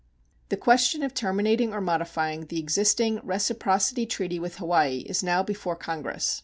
The question of terminating or modifying the existing reciprocity treaty with Hawaii is now before Congress.